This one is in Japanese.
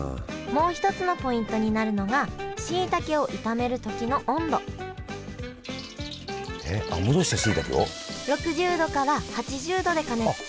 もう一つのポイントになるのがしいたけを炒める時の温度えっ戻したしいたけを？